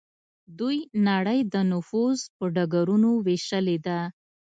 دوی نړۍ د نفوذ په ډګرونو ویشلې ده